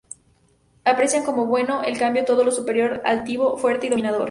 Aprecian como bueno, en cambio, todo lo superior y altivo, fuerte y dominador.